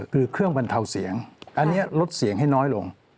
คือเครื่องบรรเทาเสียงอันนี้ลดเสียงให้น้อยลง